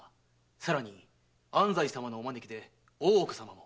さらに安西様のお招きで大岡様も。